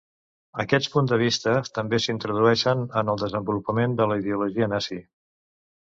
Aquests punts de vista també s'introdueixen en el desenvolupament de la ideologia nazi.